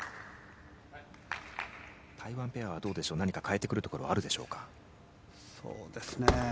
台湾ペアは何か変えてくるところあるでしょうか。